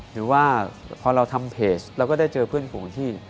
หรือว่าพอเราทำเพจเราก็ได้เจอเพื่อนฝูงที่